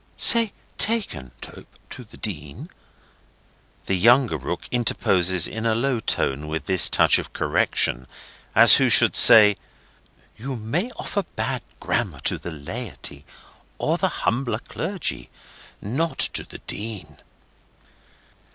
"Say 'taken,' Tope—to the Dean," the younger rook interposes in a low tone with this touch of correction, as who should say: "You may offer bad grammar to the laity, or the humbler clergy, not to the Dean."